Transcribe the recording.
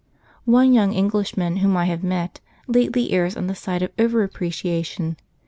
One young Englishman whom I have met lately errs on the side of over appreciation.